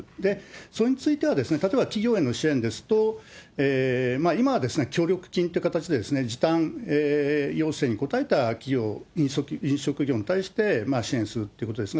それについては例えば企業への支援ですと、今は協力金という形で時短要請に応えた企業、飲食業に対して支援するということですね。